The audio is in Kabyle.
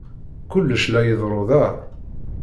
Kullec la iḍerru da.